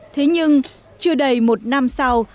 thế nhưng chưa đầy một năm sau